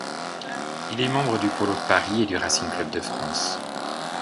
Il est membre du Polo de Paris et du Racing Club de France.